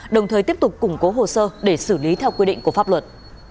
đồng thời tiếp tục củng cố hồ sơ để xử lý theo quy định của pháp luật